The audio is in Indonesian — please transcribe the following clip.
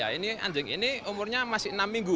ya ini anjing ini umurnya masih enam minggu